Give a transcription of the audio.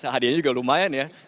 hadiahnya juga lumayan ya